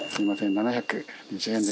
７２０円で。